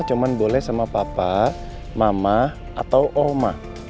cuma boleh sama papa mama atau oma